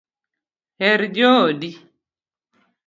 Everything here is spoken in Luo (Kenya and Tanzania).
Her joodi